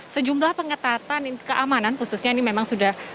sejumlah pengetatan keamanan khususnya ini memang sudah